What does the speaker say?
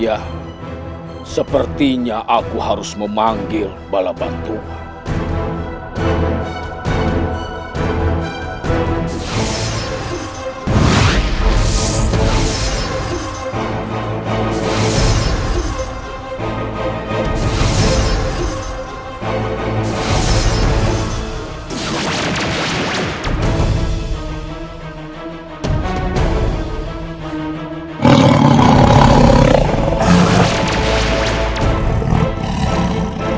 ya sepertinya aku harus memanggil balaban tuhan